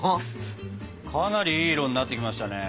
かなりいい色になってきましたね。